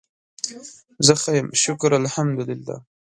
زه ښه یم شکر الحمدالله